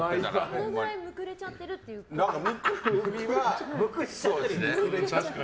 そのくらいむくれちゃってるってことですか。